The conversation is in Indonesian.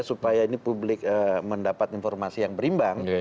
supaya ini publik mendapat informasi yang berimbang